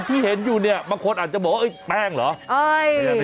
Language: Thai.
ที่เห็นอยู่เนี่ยบางคนอาจจะบอกว่าแป้งเหรอ